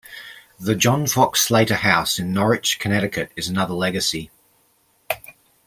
The John Fox Slater House in Norwich, Connecticut is another legacy.